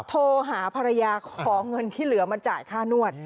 โทรหาภรรยาขอเงินที่เหลือมาจ่ายค่านวด